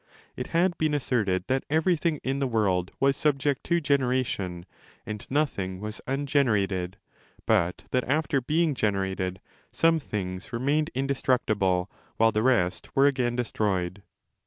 It had been asserted that everything in the world was subject to generation and nothing was ungenerated, but that after. being generated some things remained in destructible while the rest were again destroyed.